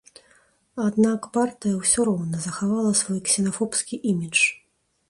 Аднак партыя ўсё роўна захавала свой ксенафобскі імідж.